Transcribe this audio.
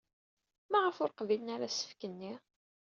Maɣef ur qbilen ara asefk-nni?